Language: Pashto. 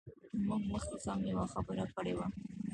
موږ مخکې هم یوه خبره کړې وه.